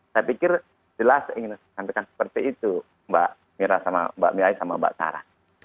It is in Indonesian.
saya pikir jelas ingin disampaikan seperti itu mbak mira mbak miayai dan mbak tara